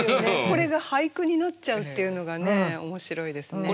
これが俳句になっちゃうっていうのがね面白いですね。